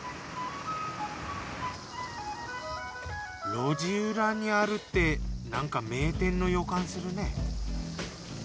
路地裏にあるってなんか名店の予感するね。